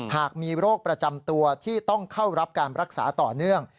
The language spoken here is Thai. หากมีโรคประจำตัวที่ต้องเข้ารับการรักษาต่อเนื่อง